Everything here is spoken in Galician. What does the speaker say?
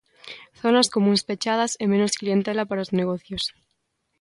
Zonas comúns pechadas e menos clientela para os negocios.